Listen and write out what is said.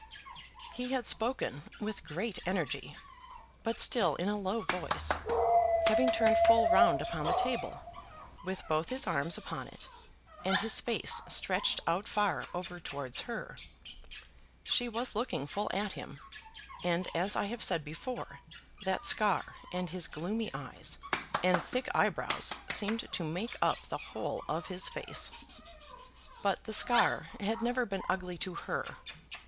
He had spoken with great energy, but still in a low voice, having turned full round upon the table, with both his arms upon it, and his face stretched out far over towards her. She was looking full at him; and, as I have said before, that scar and his gloomy eyes and thick eyebrows seemed to make up the whole of his face. But the scar had never been ugly to her.